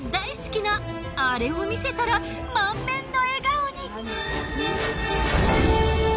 見せたら満面の笑顔に。